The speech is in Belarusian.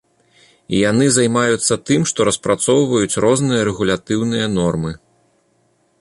І яны займаюцца тым, што распрацоўваюць розныя рэгулятыўныя нормы.